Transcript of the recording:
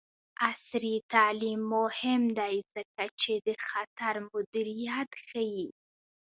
عصري تعلیم مهم دی ځکه چې د خطر مدیریت ښيي.